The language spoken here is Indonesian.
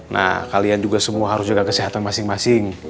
nah kalian juga semua harus jaga kesehatan masing masing